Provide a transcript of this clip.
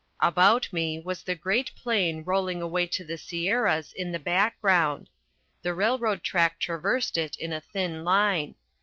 About me was the great plain rolling away to the Sierras in the background. The railroad track traversed it in a thin line.